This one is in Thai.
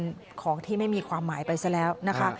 เป็นของที่ไม่มีความหมายไปซะแล้วนะคะ